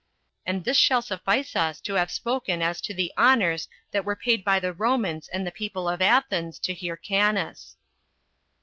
And this shall suffice us to have spoken as to the honors that were paid by the Romans and the people of Athens to Hyrcanus.